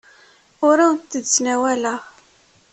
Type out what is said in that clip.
Ur awent-d-ttnawaleɣ.